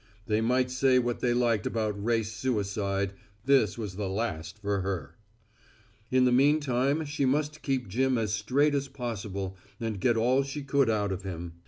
They might say what they liked about race suicide, this was the last for her. In the meantime she must keep Jim as straight as possible and get all she could out of him.